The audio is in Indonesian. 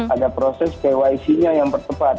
ada proses kyc nya yang bertepat